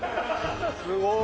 すごい！